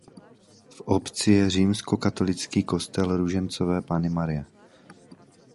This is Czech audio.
V obci je římskokatolický kostel Růžencové Panny Marie.